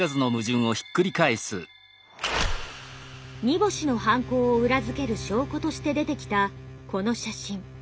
荷星の犯行を裏付ける証拠として出てきたこの写真。